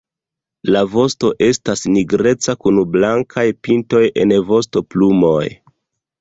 La vosto estas nigreca kun blankaj pintoj en vostoplumoj.